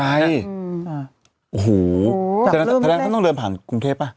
ใกล้อัครใช่อ๋อหูภาระท่านต้องเดินผ่านกรุงเทพภ่ะ